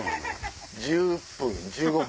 １０分１５分。